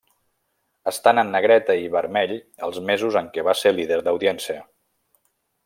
Estan en negreta i vermell els mesos en què va ser líder d'audiència.